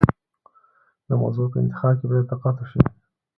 د موضوع په انتخاب کې باید دقت وشي.